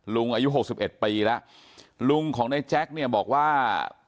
ลุงอายุ๖๑ปีแล้วลุงของนายแจ็คบอกว่า